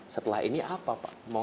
setelah ini apa pak